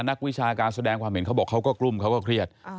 นักวิชาการแสดงความเห็นเขาบอกเขาก็กลุ้มเขาก็เครียด